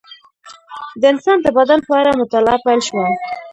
د انسان د بدن په اړه مطالعه پیل شوه.